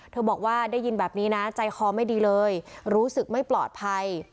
บอกว่าได้ยินแบบนี้นะใจคอไม่ดีเลยรู้สึกไม่ปลอดภัย